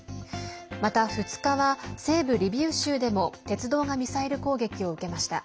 また、２日は西部リビウ州でも鉄道がミサイル攻撃を受けました。